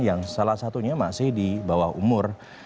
yang salah satunya masih di bawah umur